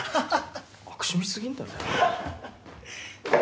悪趣味すぎんだろ